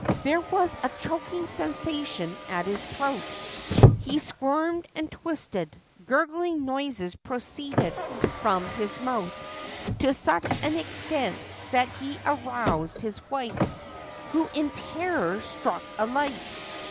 There was a choking sensation at his throat ; he squirmed and twisted ; gurgling noises proceeded from his mouth to such an extent that he aroused his wife, who in terror struck a light.